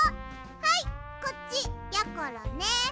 はいこっちやころね。